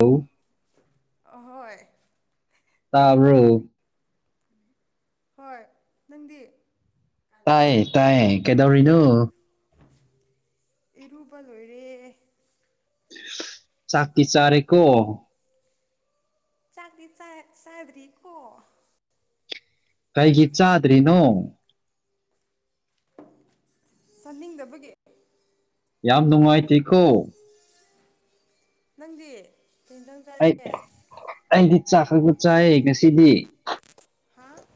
Hello ꯑꯍꯣꯏ ꯇꯥꯕ꯭ꯔꯣ ꯍꯣꯏ ꯅꯪꯗꯤ ꯇꯥꯏ ꯇꯥꯏꯌꯦ ꯀꯩꯗꯧꯔꯤꯅ‌ꯣ ꯏꯔꯨꯕ ꯂꯣꯏꯔꯦ ꯆꯥꯛꯇꯤ ꯆꯥꯔꯦꯀꯣ ꯆꯥꯥꯛꯇꯤ ꯆ ꯆꯥꯗ꯭ꯔꯤꯀꯣ ꯀꯩꯒꯤ ꯆꯥꯗ꯭ꯔꯤꯅꯣ ꯆꯅꯤꯡꯗꯕꯒꯤ ꯌꯥꯝ ꯅꯨꯡꯉꯥꯏꯇ‌ꯦꯀ‌ꯣ ꯅꯪꯗꯤ ꯀꯩ ꯏꯟꯖꯥꯡ ꯑꯩ ꯆꯥꯒꯦ ꯑꯩꯗꯤ ꯆꯥꯛ ꯈꯛꯇ ꯆꯥꯏꯌ‌ꯦ ꯉꯁꯤꯗꯤ ꯍꯥꯥ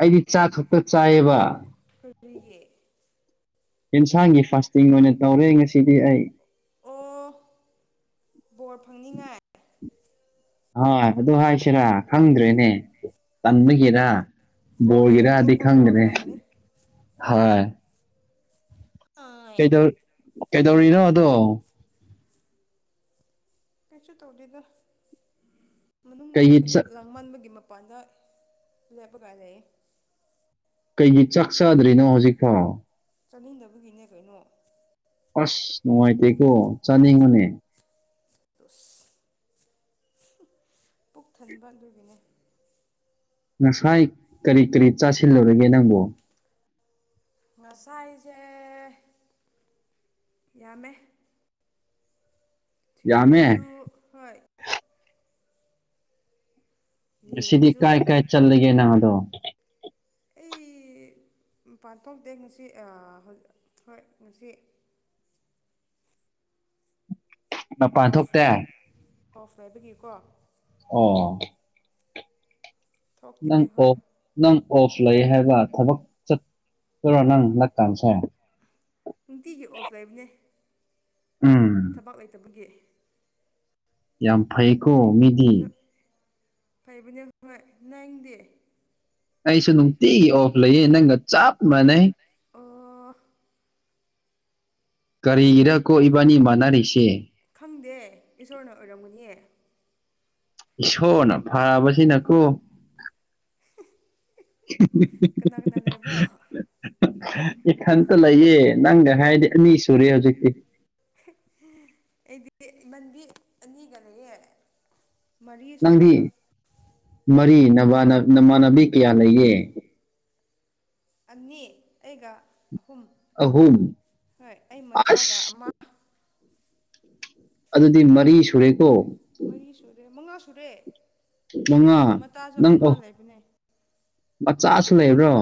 ꯑꯩꯗꯤ ꯆꯥꯛꯈꯛꯇ ꯆꯥꯏꯌꯦꯕ ꯀꯔꯤꯒꯤ ꯏꯟꯁꯥꯡꯒꯤ ꯐꯥꯁꯇꯤꯡ ꯑꯣꯏꯅ ꯇꯧꯔꯦ ꯉꯁꯤꯗꯤ ꯑꯩ ꯑꯣ ꯕꯣꯔ ꯐꯪꯅꯤꯡꯉꯥꯏ ꯍꯣꯏ ꯑꯗꯨ ꯍꯥꯏꯁꯤꯔꯥ ꯈꯪꯗ꯭ꯔꯦꯅꯦ ꯇꯟꯕꯒꯤꯔ ꯕꯣꯔꯁꯦ ꯕꯣꯒ‌ꯦꯔꯥꯗꯤ ꯑꯇꯣꯞꯄ ꯕꯣꯔ ꯈꯪꯗ꯭ꯔꯦ ꯑꯣꯏꯔꯝꯒꯅꯤ ꯍꯥꯏ ꯍꯣꯏ ꯀꯩꯗꯧ ꯀꯩꯗꯧꯔꯤꯅꯣ ꯑꯗꯣ ꯀꯩꯁꯨ ꯇꯧꯗ‌ꯦꯗ ꯃꯅꯨꯡꯗ ꯀꯩꯒꯤ ꯀꯩꯅ‌ꯣ ꯆꯥꯛ ꯂꯥꯛ ꯃꯟꯕꯒꯤ ꯃꯄꯥꯟꯗ ꯂꯦꯞꯄꯒ ꯂꯩꯌꯦ ꯀꯩꯒꯤ ꯆꯥꯛ ꯆꯥꯗ꯭ꯔꯤꯅꯣ ꯍꯧꯖꯤꯛꯐꯥꯎ ꯆꯠꯅꯤꯡꯗꯕꯒꯤꯅꯦ ꯀꯩꯅꯣ ꯑꯁ ꯅꯨꯡꯉꯥꯏꯇꯦꯀꯣ ꯆꯥꯅꯤꯡꯉꯅꯦ [unintelligible] ꯄꯨꯛ ꯊꯟꯕ ꯑꯗꯨꯒꯤꯅꯦ ꯉꯁꯥꯏ ꯀꯔꯤ ꯀꯔꯤ ꯆꯥꯁꯤꯜꯂꯨꯔꯒꯦ ꯅꯪꯕꯨ ꯉꯁꯥꯏꯁꯦ ꯌꯥꯝꯃꯦ ꯌꯥꯝꯃꯦ ꯁꯤꯡꯖꯨꯁꯨ ꯍꯣꯏ ꯁꯤꯗꯤ ꯌꯦꯟꯁꯨ ꯀꯥꯏ ꯀꯥꯏ ꯆꯠꯂꯒꯦ ꯅꯍꯥꯗꯣ ꯃꯄꯟ ꯄꯥꯟꯊꯣꯛꯇꯦ ꯉꯁꯤ ꯍꯣꯏ ꯉꯁꯤ ꯃꯄꯥꯟ ꯑꯣꯐ ꯊꯣꯛꯇꯦ ꯑꯣꯐ ꯍꯥꯏꯕꯒꯤꯀꯣ ꯑꯣ ꯊꯣꯛꯇꯦ ꯅꯪꯀꯣ ꯍꯣꯏ ꯅꯪ ꯑꯣꯐ ꯂꯩ ꯍꯥꯏꯕ ꯊꯕꯛ ꯆꯠꯇꯔꯣ ꯅꯪ [inaudible] ꯗꯥꯀꯥꯟꯁꯦ ꯅꯨꯡꯇꯤꯒꯤ ꯑꯣꯐ ꯂꯩꯕꯅꯦ ꯎꯝ ꯊꯕꯥꯛ ꯂꯩꯇꯕꯒꯤ ꯌꯥꯝ ꯐꯩꯀꯣ ꯃꯤꯗꯤ ꯐꯩꯕꯅꯦ ꯍꯣꯏ ꯅꯪꯗꯤ ꯑꯩꯁꯨ ꯅꯨꯡꯇꯤꯒꯤ ꯑꯣꯐ ꯂꯩꯌꯦ ꯅꯪꯒ ꯆꯞ ꯃꯥꯟꯅꯩ ꯑꯣ ꯀꯔꯤ ꯏꯔ ꯀꯣ ꯏꯕꯥꯅꯤ ꯃꯥꯟꯅꯔꯤꯁꯦ ꯈꯪꯗꯦ ꯏꯁꯣꯔꯅ ꯑꯣꯏꯔꯝꯒꯅꯤ ꯏꯁꯣꯔꯅ ꯐꯕꯁꯤꯅꯀꯣ ꯀꯅꯥ ꯀꯅꯥ ꯂꯩꯕ꯭ꯔꯣ [unintelligible] ꯏꯈꯟꯇ ꯂꯩꯌꯦ ꯅꯪꯒ ꯀꯔꯤ ꯍꯥꯏꯗꯤ ꯑꯅꯤ ꯁꯨꯔꯦ ꯍꯧꯖꯤꯛꯇꯤ ꯑꯩꯗꯤ ꯏꯃꯟꯕꯤ ꯑꯅꯤꯒ ꯂꯩꯌꯦ ꯃꯔꯤ ꯅꯪꯗꯤ ꯁꯨꯍꯜꯂꯣ ꯃꯔꯤ ꯅꯕꯥꯟ ꯅꯃꯥꯟꯅꯕꯤ ꯀꯌꯥ ꯂꯩꯌꯦ ꯑꯅꯤ ꯑꯩꯒ ꯑꯍꯨꯝ ꯑꯍꯨꯝ ꯍꯣꯏ ꯑꯩ ꯃꯆꯥꯒ ꯑꯁ ꯑꯃ ꯑꯗꯨꯗꯤ ꯃꯔꯤ ꯁꯨꯔꯦꯀꯣ ꯃꯔꯤ ꯁꯨꯔꯦ ꯃꯉꯥ ꯁꯨꯔꯦ ꯃꯉꯥ ꯃꯇꯥꯁꯨ ꯅꯪ ꯑꯃ ꯂꯩꯕꯅꯦ ꯃꯆꯥꯁꯨ ꯂꯩꯕ꯭ꯔꯣ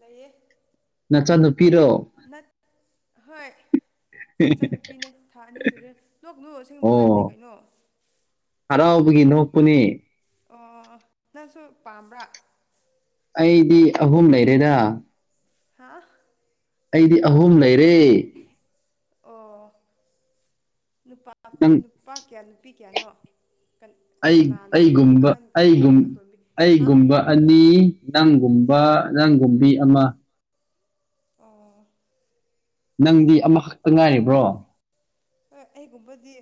ꯂꯩꯌꯦ ꯅꯆꯥ ꯅꯨꯨꯄꯤꯔꯣ ꯅꯠ ꯍꯣꯏ ꯆꯠ ꯅꯨꯨꯄꯤꯅꯦ ꯊꯥ ꯑꯅꯤ ꯁꯨꯔꯦ ꯂꯣꯛ ꯅꯨ ꯑꯁꯦꯡꯕ ꯍꯥꯏꯕꯅꯦ ꯑꯣ ꯀꯩꯅꯣ ꯍꯔꯥꯎꯕꯒꯤ ꯅꯣꯛꯄꯅꯤ ꯑꯣ ꯅꯪꯁꯨ ꯄꯥꯝꯕ꯭ꯔꯥ ꯑꯩꯗꯤ ꯑꯍꯨꯝ ꯂꯩꯔꯦꯗ ꯍꯥꯥ ꯑꯩꯗꯤ ꯑꯍꯨꯝ ꯂꯩꯔꯦ ꯑꯣ ꯅꯨꯄꯥ ꯅꯪ ꯅꯨ ꯅꯨꯄꯥ ꯀꯌꯥ ꯅꯨꯄꯤ ꯀꯌꯥꯅꯣ ꯑꯩ ꯀꯅꯥꯅ ꯑꯩꯒꯨꯝꯕ ꯑꯍꯟ ꯀꯅꯥꯅ ꯑꯩꯒꯨꯝ ꯑꯇꯣꯝꯕꯤ ꯍꯥ ꯑꯩꯒꯨꯝꯕ ꯑꯅꯤ ꯅꯪꯒꯨꯝꯕ ꯅꯪꯒꯨꯝꯕꯤ ꯑꯃ ꯑꯣ ꯅꯪꯗꯤ ꯑꯃꯈꯛꯇ ꯉꯥꯏꯔꯤꯕ꯭ꯔꯣ ꯍꯣꯏ ꯑꯩꯒꯨꯝꯕꯗꯤ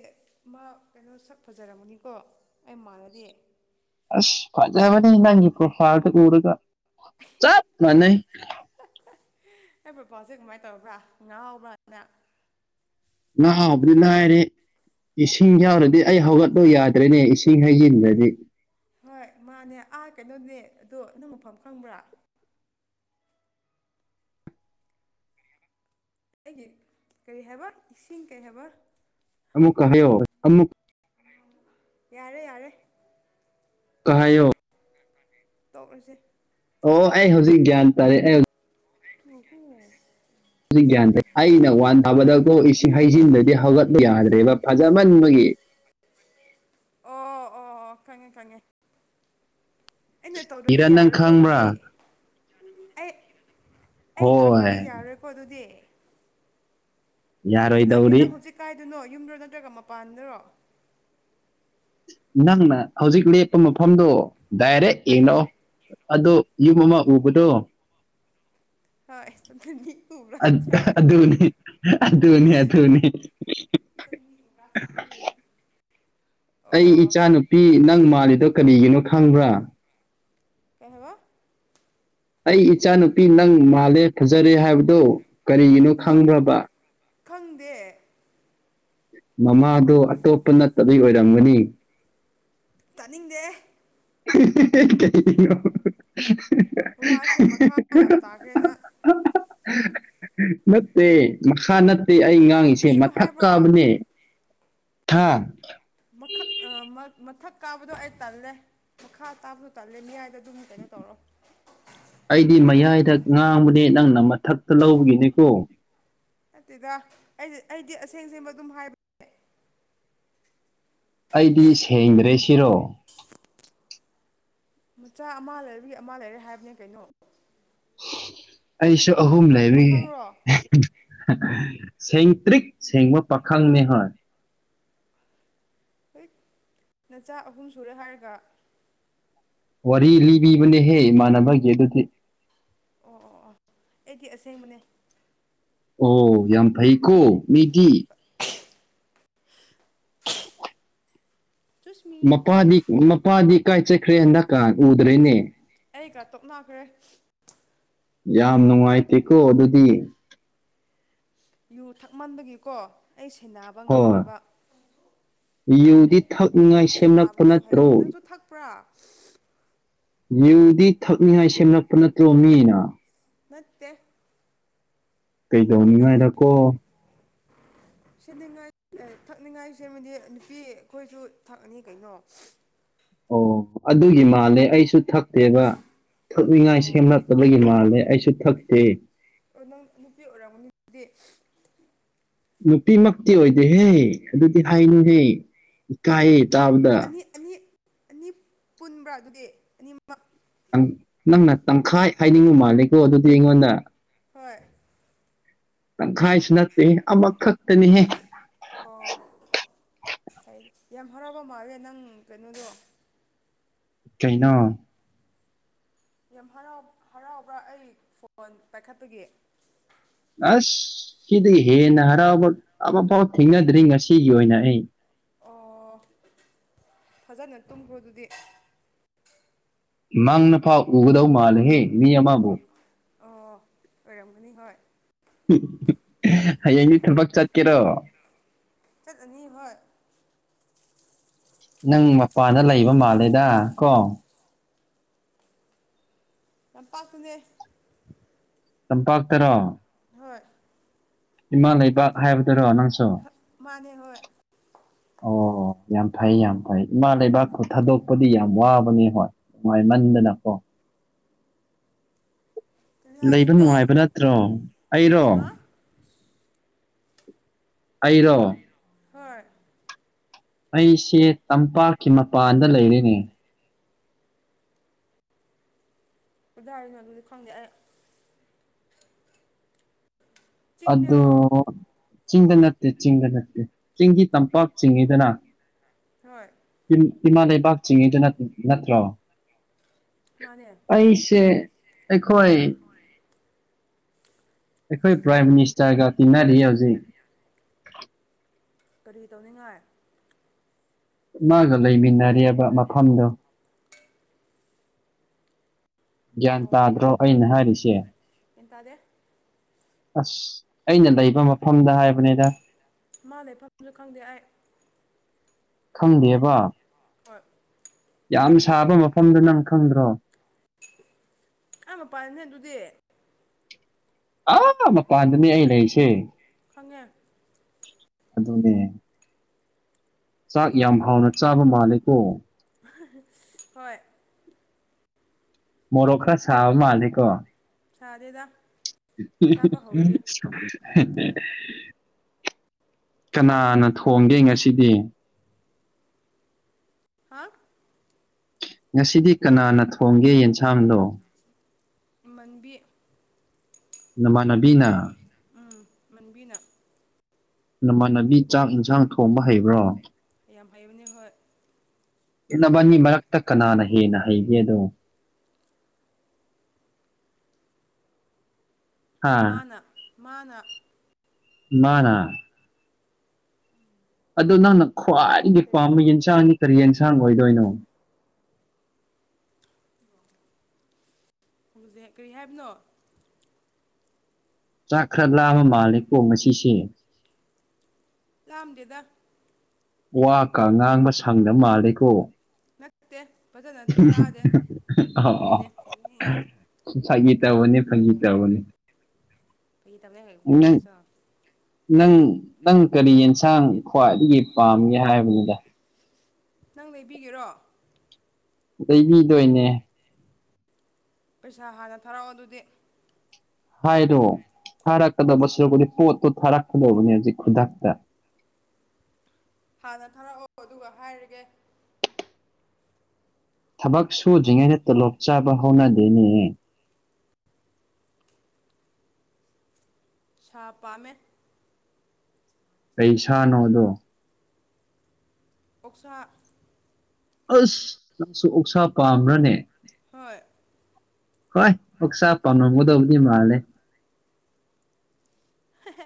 ꯃꯥ ꯀꯩꯅꯣ ꯁꯛ ꯐꯖꯔꯝꯕꯗꯤꯀꯣ ꯑꯩ ꯃꯥꯟꯅꯗꯤ ꯑꯁ ꯐꯖꯕꯅꯤ ꯅꯪꯀ꯭ꯔꯣ ꯐꯗ ꯎꯔꯒ ꯆꯞ ꯃꯥꯟꯅꯩ ꯑꯩ ꯕꯄꯁꯦ ꯀꯃꯥꯏꯅ ꯇꯧꯔꯕ꯭ꯔꯥ ꯉꯥꯎꯕ꯭ꯔꯅ [unintelligible] ꯍꯥꯏꯔꯅꯦ ꯏꯁꯤꯡ ꯌꯥꯎꯔꯗꯤ ꯑꯩ ꯍꯧꯒꯠꯂ ꯌꯥꯗ꯭ꯔꯦꯅꯦ ꯏꯁꯤꯡ ꯍꯩꯖꯤꯟꯗꯗꯤ ꯍꯣꯏ ꯃꯥꯅꯦ ꯑꯥ ꯀꯩꯅꯣꯅꯦ ꯑꯗꯣ ꯅ ꯃꯐꯝ ꯈꯪꯕ꯭ꯔꯥ ꯑꯩꯒꯤ ꯀꯔꯤ ꯍꯥꯏꯕ ꯏꯁꯤꯡ ꯀꯔꯤ ꯍꯥꯏꯕ ꯑꯃꯨꯛ ꯀ ꯍꯌꯣ ꯑꯃꯨꯛ ꯌꯥꯔꯦ ꯌꯥꯔꯦ ꯇꯧꯔꯨꯁꯦ ꯍꯥꯏꯌꯣ ꯇꯧ ꯀꯁꯦ ꯑꯣ ꯑꯩ ꯍꯧꯖꯤꯛ ꯒ꯭ꯌꯥꯟ ꯇꯥꯔꯦ ꯑꯩ ꯑꯩ ꯃꯈꯅ ꯍꯧꯖꯤꯛ ꯒ꯭ꯌꯥꯟ ꯇꯩ ꯑꯩꯅ ꯋꯥꯟ ꯊꯥꯕꯗꯣ ꯏꯁꯤꯡ ꯍꯩꯖꯤꯟꯕꯗꯤ ꯍꯧꯒꯠꯄ ꯌꯥꯗ꯭ꯔꯦꯕ ꯐꯖꯃꯟꯕꯒꯤ ꯑꯣ ꯑꯣ ꯑꯣ ꯈꯪꯉꯦ ꯈꯪꯉꯦ ꯑꯩꯅ ꯇꯧꯗꯗꯤ ꯏꯔꯥ ꯅꯪ ꯌꯥꯔꯣꯏꯀꯣ ꯈꯪꯕ꯭ꯔꯥ ꯑꯗꯨꯗꯤ ꯑꯩ ꯑꯩ ꯍꯣꯏ ꯂꯥꯛꯇ꯭ꯔꯗꯤ ꯌꯥꯔꯔꯣꯏꯀꯣ ꯑꯗꯨꯗꯤ ꯂꯥꯛꯀꯦ ꯂꯥꯛꯀꯦ ꯌꯥꯔꯣꯏꯗꯧꯔꯤ ꯅꯪ ꯍꯧꯖꯤꯛ ꯀꯥꯏꯗꯅꯣ ꯌꯨꯝꯗꯔꯣ ꯅꯠꯇ꯭ꯔꯒ ꯃꯄꯥꯟꯗꯔꯣ ꯅꯪꯅ ꯍꯧꯖꯤꯛ ꯂꯦꯞꯄ ꯃꯐꯝꯗꯣ ꯗꯥꯏꯔꯦꯛ ꯍꯣꯏ ꯌꯦꯡꯔꯛꯑꯣ ꯑꯗꯣ ꯌꯨꯝ ꯑꯃ ꯎꯕꯗꯣ [unintelligible] ꯑꯙꯨꯅꯤ ꯑꯙꯨꯅꯤ ꯆꯅꯤ ꯇꯀꯥ ꯊꯥꯡꯗꯦ ꯑꯩ ꯏꯆꯥ ꯅꯨꯨꯄꯤ ꯅꯪ ꯃꯥꯜꯂꯤꯗꯣ ꯀꯔꯤꯒꯤꯅꯣ ꯈꯪꯕ꯭ꯔꯥ ꯀꯩꯍꯋꯥ ꯑꯩ ꯏꯆꯥꯅꯨꯄꯤ ꯅꯪ ꯃꯥꯜꯂꯦ ꯐꯖꯔꯦ ꯍꯥꯏꯕꯗꯣ ꯀꯔꯤꯒꯤꯅꯣ ꯍꯣꯏ ꯈꯪꯕ꯭ꯔꯕ ꯈꯪꯗꯦ ꯃꯃꯥꯗꯣ ꯑꯇꯣꯞꯄ ꯅꯠꯇꯕꯩ ꯑꯣꯏꯔꯝꯒꯅꯤ ꯇꯥꯅꯤꯡꯗꯦ ꯀꯩꯅ ꯋꯥꯁꯦ ꯃꯈꯥ ꯌꯥꯝ ꯇꯥꯈ꯭ꯔꯦꯅ ꯅꯠꯇꯦ ꯃꯈꯥ ꯅꯠꯇꯦ ꯑꯩ ꯉꯥ ꯥꯡꯉꯁꯦ ꯑꯁꯦꯡꯕ ꯃꯊꯛ ꯍꯥꯏꯕ꯭ꯔꯣ ꯀꯥꯕꯅꯦ ꯊꯥꯡ ꯃꯛ ꯃꯊꯛ ꯀꯥꯕꯗꯣ ꯑꯩ ꯇꯜꯂꯦ ꯃꯈꯥ ꯇꯥꯕꯗꯨꯣ ꯇꯜꯂꯦ ꯃꯤꯌꯥꯏꯗ ꯑꯗꯨꯝ ꯀꯩꯅꯣ ꯇꯧꯔꯣ ꯑꯩꯗꯤ ꯃꯌꯥꯏꯗ ꯉꯥꯡꯕꯅꯦ ꯅꯪꯅ ꯃꯊꯛꯇ ꯂꯧꯕꯒꯤꯅꯤꯀꯣ ꯑꯗꯨꯠꯇꯦꯗ ꯑꯩꯗꯤ ꯑꯩꯗꯤ ꯑꯁꯦꯡꯁꯕ ꯑꯗꯨꯝ ꯍꯥꯏꯕ ꯑꯩꯗꯤ ꯁꯦꯡꯗ꯭ꯔꯦ ꯁꯤꯔꯣ ꯃꯆꯥ ꯑꯃ ꯂꯩꯔꯒꯤ ꯑꯃ ꯂꯩꯔꯦ ꯍꯥꯏꯕꯅꯦ ꯀꯩꯅꯣ ꯅꯪꯗꯤ ꯑꯩꯁꯨ ꯄꯥꯈꯪ ꯑꯍꯨꯝ ꯂꯩꯔꯤ ꯄꯥꯈꯪꯔꯣ ꯁꯦꯡꯇ꯭ꯔꯤꯛ ꯁꯦꯡꯕ ꯄꯥꯈꯪꯅꯦ ꯍꯣꯏ ꯍꯣꯏ ꯅꯆꯥ ꯑꯍꯨꯝ ꯁꯨꯔꯦ ꯍꯥꯏꯔꯒ ꯋꯥꯔꯤ ꯂꯤꯕꯤꯕꯅꯦꯍꯦ ꯏꯃꯥꯟꯅꯕꯒꯤ ꯑꯗꯨꯗꯤ ꯑꯣ ꯑꯣ ꯑꯣ ꯑꯩꯗꯤ ꯑꯁꯦꯡꯕꯅꯦ ꯑꯣ ꯌꯥꯝ ꯐꯩꯀꯣ ꯃꯤꯗꯤ ꯆꯨꯁꯃꯤ ꯃꯄꯥꯗꯤ ꯃꯄꯥꯗꯤ ꯀꯥꯏ ꯆꯠꯈ꯭ꯔꯦ ꯍꯟꯗꯛꯀꯥꯟ ꯎꯗ꯭ꯔꯦꯅꯦ ꯑꯩꯒ ꯇꯣꯞ ꯃꯈ꯭ꯔꯦ ꯌꯥꯝ ꯅꯨꯡꯉꯥꯏꯇꯦꯀꯣ ꯑꯗꯨꯗꯤ ꯌꯨ ꯊꯛꯃꯟꯕꯒꯤꯀꯣ ꯑꯩ ꯁꯦꯟꯅꯕ ꯍꯣꯏ ꯉꯝꯗ꯭ꯔꯦꯕ ꯌꯨꯗꯤ ꯊꯛꯅꯤꯉꯥꯏ ꯁꯦꯝꯂꯛꯄ ꯅꯠꯇ꯭ꯔꯣ ꯄꯨ꯭ꯔꯥ ꯌꯨꯗꯤ ꯊꯛꯅꯤꯉꯥꯏ ꯁꯦꯝꯂꯛꯄ ꯅꯠꯇ꯭ꯔꯣ ꯃꯤꯅ ꯠꯇꯦꯛ ꯀꯩ ꯇꯧꯅꯤꯡꯉꯥꯏꯔꯀꯣ ꯁꯅꯤꯡꯉꯥꯏ ꯊꯛꯅꯤꯡꯉꯥꯏ ꯁꯦꯝꯃꯗꯤ ꯅꯨꯄꯤ ꯑꯩꯈꯣꯏꯁꯨ ꯊꯛꯑꯅꯤ ꯀꯩꯅꯣ ꯑꯣ ꯑꯗꯨꯒꯤ ꯃꯥꯜꯂꯦ ꯑꯩꯁꯨ ꯊꯛꯇꯦꯕ ꯊꯛꯅꯤꯡꯉꯥꯏ ꯑꯣ ꯁꯦꯝꯂꯛꯇꯕꯒꯤ ꯃꯥꯜꯂꯦ ꯑꯩꯁꯨ ꯊꯛꯇꯦ ꯅꯪ ꯅꯨꯄꯤ ꯑꯣꯏꯔꯝꯒꯅꯤꯗꯤ ꯅꯨꯄꯤꯃꯛꯇꯤ ꯑꯣꯏꯗꯦꯍꯦ ꯑꯗꯨꯗꯤ ꯍꯥꯏꯅꯨꯍꯦ ꯏꯀꯥꯏꯌꯦ ꯇꯥꯕꯗ ꯑꯅꯤ ꯑꯅꯤ ꯑꯅꯤ ꯄꯨꯟꯕ꯭ꯔꯥ ꯑꯗꯨꯗꯤ ꯑꯅꯤꯃꯛ ꯅꯪꯅ ꯇꯪꯈꯥꯏ ꯍꯥꯏꯅꯤꯡꯕ ꯃꯥꯜꯂꯦꯀꯣ ꯑꯗꯨꯗꯤ ꯑꯩꯉꯣꯟꯗ ꯍꯣꯏ ꯇꯪꯈꯥꯏꯁꯨ ꯅꯠꯇꯦ ꯑꯃꯈꯛꯇꯅꯤꯍꯦ ꯑꯣ ꯐ ꯌꯥꯝ ꯍꯔꯥꯎꯕ ꯃꯥꯂꯦ ꯅꯪ ꯀꯩꯅꯣꯗꯣ ꯀꯩꯅꯣ ꯌꯥꯝ ꯍꯔꯥꯎ ꯍꯔꯥꯎꯕ꯭ꯔꯥ ꯑꯩ ꯐꯣꯟ ꯄꯥꯏꯈꯠꯄꯒꯤ ꯑꯁ ꯁꯤꯗꯤ ꯍꯦꯟꯅ ꯍꯔꯥꯎꯕꯕꯐꯥꯎ ꯊꯦꯡꯅꯗ꯭ꯔꯤ ꯉꯁꯤꯒꯤ ꯑꯣꯏꯅ ꯑꯩ ꯑꯣ ꯐꯖꯅ ꯇꯨꯝꯈ꯭ꯔꯣ ꯑꯗꯨꯗꯤ ꯅꯪꯅ ꯐꯥꯎ ꯎꯒꯗꯧ ꯃꯥꯜꯂꯍꯦ ꯃꯤ ꯑꯃ ꯑꯣ ꯑꯣꯏꯔꯝꯒꯅꯤ ꯍꯣꯏ ꯍꯌꯦꯡꯗꯤ ꯊꯕꯛ ꯆꯠꯀꯦꯔꯣ ꯆꯠꯅꯤ ꯍꯣꯏ ꯅꯪ ꯃꯄꯥꯟꯗ ꯂꯩꯕ ꯃꯥꯜꯂꯦꯗ ꯀꯣ ꯂꯝꯄꯥꯛꯇꯅꯦ ꯂꯝꯄꯥꯛ ꯇꯔꯣ ꯍꯣꯏ ꯏꯃꯥ ꯂꯩꯕꯥꯛ ꯍꯥꯏꯕꯗꯨꯔꯣ ꯅꯪꯁꯨ ꯃꯥꯅꯦ ꯍꯣꯏ ꯑꯣ ꯑꯣ ꯌꯥꯝ ꯐꯩ ꯌꯥꯝ ꯐꯩ ꯏꯃꯥ ꯂꯩꯕꯥꯛꯄꯨ ꯊꯥꯗꯣꯛꯄꯗꯤ ꯌꯥꯝ ꯋꯥꯕꯅꯤ ꯍꯣꯏ ꯅꯨꯡꯉꯥꯏꯃꯟꯗꯅꯀꯣ ꯀꯔꯤ ꯂꯩꯕ ꯍꯥꯏꯕꯅꯣ ꯅꯨꯡꯉꯥꯏꯕ ꯅꯠꯇ꯭ꯔꯣ ꯑꯩꯔꯣ ꯍꯥ ꯑꯩꯔꯣ ꯍꯣꯏ ꯑꯩꯁꯦ ꯇꯝꯄꯥꯛꯀꯤ ꯃꯄꯥꯟꯗ ꯂꯩꯔꯦꯅꯦ ꯀꯗꯥꯥꯏꯅꯣ ꯑꯗꯨꯗꯤ ꯈꯪꯗꯦ ꯑꯩ ꯑꯗꯣ ꯆꯤꯡꯗꯔꯣ ꯆꯤꯡꯗ ꯅꯠꯇꯦ ꯆꯤꯡꯗ ꯅꯠꯇꯦ ꯆꯤꯡꯗꯤ ꯇꯝꯄꯥꯛ ꯆꯤꯡꯉꯤꯗꯅ ꯍꯣꯏ ꯏꯃꯥ ꯂꯩꯕꯥꯛ ꯆꯤꯡꯉꯤꯗꯅ ꯅꯠꯇ꯭ꯔꯣ ꯃꯥꯅꯦ ꯑꯩꯁꯦ ꯑꯩꯈꯣꯏ ꯑꯩꯈꯣꯏ ꯄ꯭ꯔꯥꯏꯝ ꯃꯤꯅꯤꯁꯇꯔꯒ ꯇꯤꯟꯅꯔꯤ ꯍꯧꯖꯤꯛ ꯀꯔꯤ ꯇꯧꯅꯤꯡꯉꯥꯏ ꯃꯥꯒ ꯂꯩꯃꯤꯟꯅꯔꯦꯕ ꯃꯐꯝꯗꯣ ꯒ꯭ꯌꯥꯟ ꯇꯥꯗ꯭ꯔꯣ ꯑꯩꯅ ꯍꯥꯏꯔꯤꯁꯦ ꯒꯌ꯭ꯥꯟ ꯇꯥꯗꯦ ꯑꯁ ꯑꯩꯅ ꯂꯩꯕ ꯃꯐꯝꯗ ꯍꯥꯏꯕꯅꯤꯗ ꯃꯥꯂꯩꯐꯝꯁꯨ ꯈꯪꯗꯦ ꯑꯩ ꯑꯗꯨꯒꯤꯅꯦ ꯈꯪꯗꯦꯕ ꯍꯣꯏ ꯌꯥꯝ ꯁꯥꯕ ꯃꯐꯝꯗꯨ ꯅꯪ ꯈꯪꯗ꯭ꯔꯣ ꯑ ꯃꯄꯥꯟꯅꯦ ꯑꯗꯨꯗꯤ ꯑꯥ ꯃꯄꯥꯟꯗꯅꯦ ꯑꯩ ꯂꯩꯔꯤꯁꯦ ꯈꯉꯦ ꯑꯗꯨꯅꯦ ꯆꯥꯛ ꯌꯥꯝ ꯍꯥꯎꯅ ꯆꯥꯕ ꯃꯥꯜꯂꯦꯀꯣ [unintelligible] ꯍꯣꯏ ꯃꯣꯔꯣꯛ ꯈ ꯁꯥꯕ ꯃꯥꯜꯂꯦꯀꯣ ꯁꯥꯗꯦꯗ ꯆꯥꯕ ꯍꯧꯗ꯭ꯔꯤ [unintelligible] ꯀꯅꯥꯅ ꯊꯣꯡꯒꯦ ꯉꯁꯤꯗꯤ ꯍꯥ ꯉꯁꯤꯗꯤ ꯀꯅꯥꯅ ꯊꯣꯡꯒꯦ ꯌꯦꯟꯁꯥꯡꯗꯣ ꯃꯟꯕꯤ ꯅꯃꯥꯟꯅꯕꯤꯅ ꯎꯝ ꯃꯟꯕꯤꯅ ꯅꯃꯥꯟꯅꯕꯤ ꯆꯥꯛ ꯏꯟꯁꯥꯡ ꯊꯣꯡꯕ ꯍꯩꯕ꯭ꯔꯣ ꯌꯥꯝ ꯍꯩꯕꯅꯦ ꯍꯣꯏ ꯏꯅꯕꯅꯤ ꯃꯔꯛꯇ ꯀꯅꯥꯅ ꯍꯦꯟꯅ ꯍꯩꯒꯦꯗꯣ ꯍꯥ ꯃꯥꯅ ꯃꯥꯅ ꯃꯥꯅꯥ ꯑꯗꯣ ꯅꯪꯅ ꯈ꯭ꯋꯥꯏꯗꯒꯤ ꯏꯟꯇꯔꯚꯤꯌꯨ ꯄꯥꯝꯕ ꯌꯦꯟꯁꯥꯡ ꯀꯔꯤ ꯌꯦꯟꯁꯥꯡ ꯑꯣꯏꯗꯣꯏꯅꯣ ꯍꯧꯖꯤꯛ ꯀꯔꯤ ꯍꯥꯏꯕꯅꯣ ꯆꯥꯛ ꯈꯔ ꯂꯥꯕ ꯃꯥꯜꯂꯦꯀꯣ ꯉꯁꯤꯁꯦ ꯂꯥꯛꯑꯗꯦꯗ ꯋꯥꯀ ꯉꯥꯡꯕ ꯁꯪꯗ ꯃꯥꯜꯂꯤꯀꯣ ꯐꯠꯇꯦ ꯐꯖꯅ ꯇꯥꯗꯦ ꯑꯗꯨꯒꯤꯅꯦ ꯁ ꯁꯥꯥꯏꯒꯤ ꯇꯧꯕꯅꯤ ꯐꯪꯒꯤ ꯇꯧꯕꯅꯤ ꯐꯒꯤ ꯇꯧ ꯅꯪ [unintelligible] ꯅꯪ ꯅꯪ ꯀꯔꯤ ꯌꯦꯟꯁꯥꯡ ꯈ꯭ꯋꯥꯏꯗꯒꯤ ꯄꯥꯝꯒꯦ ꯍꯥꯏꯕꯅꯤꯗ ꯅꯪ ꯂꯩꯕꯤꯒꯦꯔꯣ ꯂꯩꯕꯤꯗꯣꯏꯅꯦ ꯄꯩꯁꯥ ꯍꯥꯟꯅ ꯊꯥꯔꯛꯑꯣ ꯑꯗꯨꯗꯤ ꯍꯥꯏꯔꯣ ꯊꯥꯔꯛꯀꯗꯕ ꯁꯔꯨꯄꯗꯤ ꯄꯣꯠꯇꯣ ꯊꯥꯔꯛꯀꯗꯧꯕꯅꯤ ꯍꯧꯖꯤꯛ ꯈꯨꯗꯛꯇ ꯍꯥꯟꯅ ꯊꯥꯔꯛꯑꯣ ꯑꯗꯨꯒ ꯍꯥꯏꯔꯒꯦ ꯊꯕꯛ ꯁꯨꯗ꯭ꯔꯤꯉꯩꯗ ꯇꯣꯂꯣꯞ ꯆꯥꯕ ꯍꯧꯅꯗꯦꯅꯦ ꯁꯥ ꯄꯥꯝꯃꯦꯠ ꯀꯩ ꯁꯥꯥꯅꯣꯗꯣ ꯑꯣꯛꯁꯥ ꯑꯁ ꯅꯪꯁꯨ ꯑꯣꯛꯁꯥ ꯄꯥꯝꯕ꯭ꯔꯅꯦ꯫ ꯍꯣꯏ ꯍꯣꯏ ꯑꯣꯛꯁꯥ ꯄꯥꯝꯅꯝꯒꯗꯧꯕꯗꯤ ꯃꯥꯜꯂꯦ ꯍꯥ‌ ꯍꯥ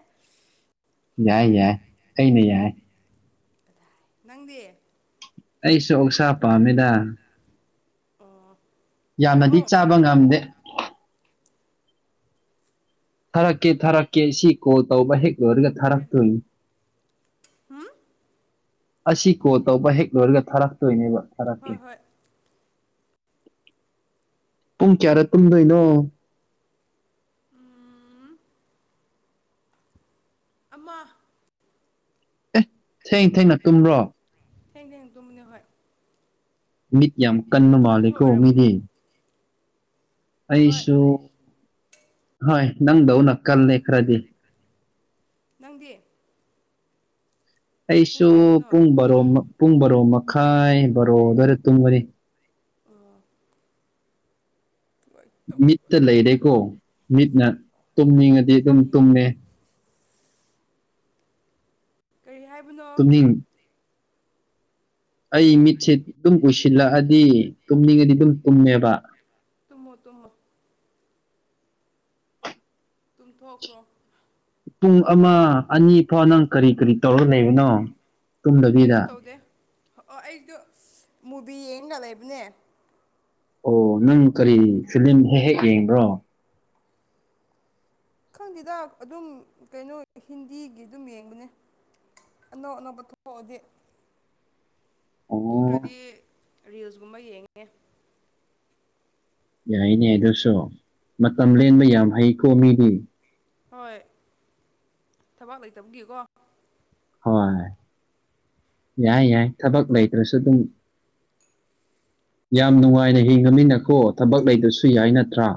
ꯌꯥꯏ ꯌꯥꯏ ꯑꯩꯅ ꯌꯥꯏ꯫ ꯅꯪꯗꯤ ꯑꯩꯁꯨ ꯑꯣꯛꯁꯥ ꯄꯥꯝꯃꯤꯗ꯫ ꯑꯣ ꯌꯥꯝꯅꯗꯤ ꯊꯥꯔꯛꯑꯣ ꯆꯥꯕ ꯉꯝꯗꯦ ꯊꯥꯔꯛꯀꯦ ꯊꯥꯔꯛꯀꯦ ꯁꯤ ꯀꯣꯜ ꯇꯧꯕ ꯍꯦꯛ ꯂꯣꯏꯔꯒ ꯊꯥꯔꯛꯇꯣꯏꯅꯤ꯫ ꯑꯁꯤ ꯀꯣ ꯇꯧꯕ ꯍꯦꯛ ꯂꯣꯏꯔꯒ ꯊꯥꯔꯛꯇꯣꯏꯅꯦꯕ ꯔꯛꯀꯦ ꯍꯣꯏ ꯍꯣꯏ ꯄꯨꯡ ꯀꯌꯥꯔꯦ ꯇꯨꯝꯗꯣꯏꯅꯣ ꯑꯃ ꯑꯦ ꯊꯦꯡ ꯊꯦꯡꯅ ꯇꯨꯝꯕ꯭ꯔꯣ꯫ ꯊꯦꯡ ꯊꯦꯡ ꯇꯝꯕꯅꯤ ꯍꯣꯏ꯫ ꯃꯤꯗꯤ ꯌꯥꯝ ꯀꯟꯅ ꯅꯪꯁꯨ ꯃꯥꯜꯂꯦꯀꯣ ꯑꯣꯏꯔꯝꯒꯅꯦ ꯃꯤꯗꯤ ꯍꯣꯏ ꯑꯩꯁꯨ ꯍꯣꯏ ꯅꯪꯗꯧꯅ ꯀꯜꯂꯦ ꯈꯔꯗꯤ꯫ ꯅꯪꯗꯤ ꯄꯨꯡ ꯑꯩꯁꯨ ꯀꯌꯥꯗꯅꯣ ꯄꯨꯡ ꯕꯥꯔꯣ ꯃ ꯄꯨꯡ ꯕꯔꯣ ꯃꯈꯥꯏ ꯕꯔꯣ ꯑꯗꯨꯋꯥꯏꯗ ꯇꯨꯝꯕꯅꯤ꯫ ꯑꯣ ꯃꯤꯠꯇ ꯂꯩꯔꯦꯀꯣ ꯃꯤꯠꯅ ꯇꯨꯝꯅꯤꯡꯉꯗꯤ ꯑꯗꯨꯝ ꯇꯨꯝꯃꯦ ꯀꯔꯤ ꯍꯥꯏꯕꯅꯣ ꯇꯨꯝꯅꯤꯡ ꯑꯩ ꯃꯤꯠꯁꯦ ꯑꯗꯨꯝ ꯎꯁꯤꯜꯂꯛꯑꯗꯤ ꯇꯨꯝꯅꯤꯡꯉꯗꯤ ꯑꯗꯨꯝ ꯇꯨꯝꯃꯦꯕ ꯇꯨꯝꯃꯣ ꯇꯨꯝꯃꯣ ꯇꯨꯝꯊꯣꯛꯈ꯭ꯔꯣ ꯄꯨꯡ ꯑꯃ ꯑꯅꯤ ꯐꯥꯎ ꯅꯪ ꯀꯔꯤ ꯀꯔꯤ ꯇꯧꯔ ꯂꯩꯔꯤꯅꯣ ꯀꯩꯁꯨ ꯇꯧꯗꯦ ꯍ ꯑꯣ ꯑꯩꯗꯣ ꯃꯨꯕꯤ ꯌꯦꯡꯉ ꯂꯩꯕꯅꯦ ꯑꯣ ꯅꯪ ꯀꯔꯤ ꯐꯤꯂꯤꯂꯝ ꯍꯦꯛ ꯍꯦꯛ ꯌꯦꯡꯕ꯭ꯔꯣ ꯈꯪꯗꯦꯗ ꯑꯗꯨꯝ ꯀꯩꯅꯣ ꯍꯤꯟꯗꯤꯒꯤ ꯑꯗꯨꯝ ꯌꯦꯡꯕꯅꯦ ꯑꯅꯧ ꯑꯅꯧꯕ ꯊꯣꯛꯑꯣꯗꯤ ꯑꯣ ꯊꯣꯛꯇ꯭ꯔꯗꯤ ꯔꯤꯜꯁꯀꯨꯝꯕ ꯌꯦꯡꯉꯦ꯫ ꯌꯥꯏꯅꯦ ꯑꯗꯨꯁꯨ ꯃꯇꯝ ꯂꯦꯟꯕ ꯌꯥꯝ ꯍꯩꯀꯣ ꯃꯤꯗꯤ꯫ ꯍꯣꯏ ꯊꯕꯥꯛ ꯂꯩꯇꯕꯒꯤꯀꯣ ꯍꯣꯏ ꯌꯥꯏ ꯌꯥꯏ ꯊꯕꯛ ꯂꯩꯇ꯭ꯔꯁꯨ ꯑꯗꯨꯝ꯫ ꯌꯥꯝ ꯅꯨꯡꯉꯥꯏꯅ ꯍꯤꯡꯃꯤꯟꯅꯈꯣ ꯊꯕꯛ ꯂꯩꯇ꯭ꯔꯁꯨ ꯌꯥꯏ ꯅꯠꯇ꯭ꯔꯥ꯫